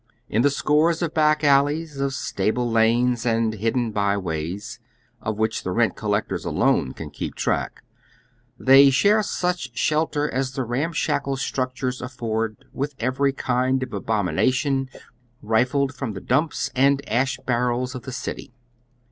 In tlie scores of back alleys, of stable lanes and hidden byways, of which the rent collector alone can keep track, they share sucli shelter as the ramshackle struetares afford with everj' kind of abomination ritied from the dnmps and ash barrels of the city.